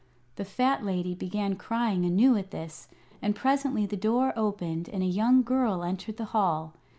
The fat lady began crying anew at this, and presently the door opened and a young girl entered the hall.